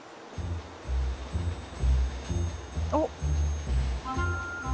おっ。